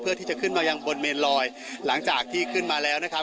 ที่จะขึ้นมายังบนเมนลอยหลังจากที่ขึ้นมาแล้วนะครับ